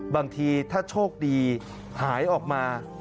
บางทีถ้าโชคดีหายออกมา